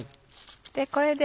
これで。